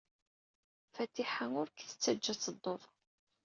Fatiḥa ur k-tettajja ad tedduḍ.